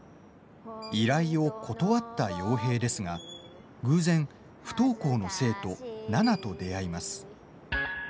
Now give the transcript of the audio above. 依頼を断った陽平ですが偶然、不登校の生徒奈々と出会います。